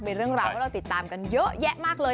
มีเรื่องราวให้เราติดตามกันเยอะแยะมากเลย